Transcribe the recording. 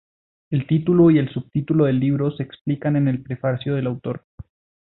El título y el subtítulo del libro se explican en el prefacio del autor.